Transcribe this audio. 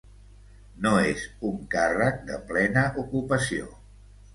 No és un càrrec de plena ocupació.